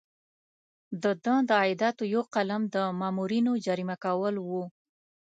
د ده د عایداتو یو قلم د مامورینو جریمه کول وو.